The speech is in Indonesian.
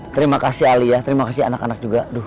terima kasih ali ya terima kasih anak anak juga